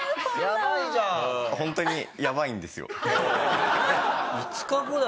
ホントにやばいんですよ。